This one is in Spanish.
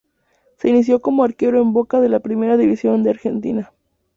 Se inició como arquero en Boca de la Primera División de Argentina.